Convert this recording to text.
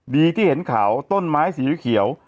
ดีที่เห็นเขาต้นไม้สีเขียว